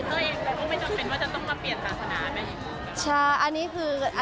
เราก็ไม่จำเป็นว่าจะต้องมาเปลี่ยนศาสนาไหม